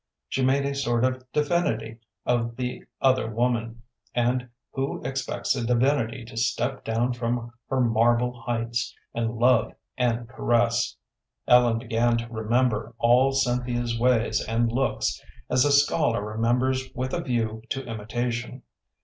She made a sort of divinity of the older woman, and who expects a divinity to step down from her marble heights, and love and caress? Ellen began to remember all Cynthia's ways and looks, as a scholar remembers with a view to imitation.